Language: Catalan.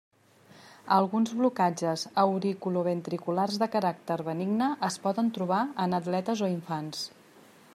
Alguns blocatges auriculoventriculars de caràcter benigne es poden trobar en atletes o infants.